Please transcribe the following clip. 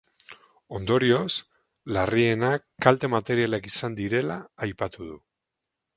Ondorioz, larriena kalte materialak izan direla aipatu du.